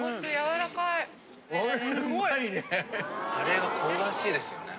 カレーが香ばしいですよね。